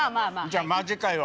じゃあマジかよ